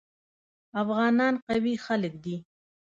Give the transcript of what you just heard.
افغانان قوي خلک دي.